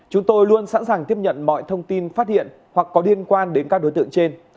chúng tôi luôn sẵn sàng tiếp nhận mọi thông tin phát hiện hoặc có liên quan đến các đối tượng trên